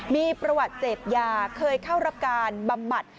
มีประวัติเสพยาเคยเข้ารับการบำบัด